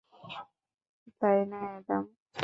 তাই না, অ্যাডাম?